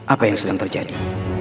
apa yang sedang terjadi